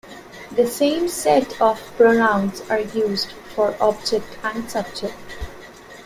The same set of pronouns are used for object and subject.